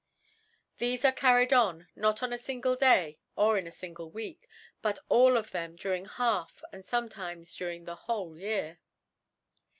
And thefe are carried on, not on a fingle Day, or irt a fingle Week •, but uU of them during half, and fome during the \vhole Year.